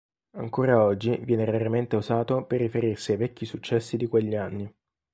Ancora oggi viene raramente usato per riferirsi ai vecchi successi di quegli anni.